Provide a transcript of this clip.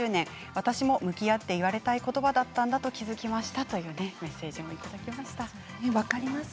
私も向き合って言われたい言葉だったんだと気付きましたというメッセージです。